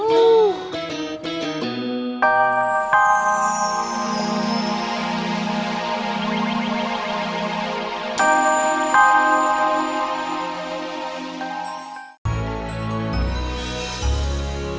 sampai jumpa lagi